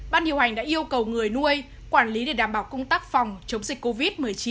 ban điều hành đã yêu cầu người nuôi quản lý để đảm bảo công tác phòng chống dịch covid một mươi chín